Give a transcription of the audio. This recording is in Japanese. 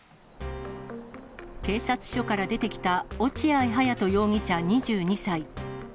警察署から出てきた、落合勇人容疑者２２歳。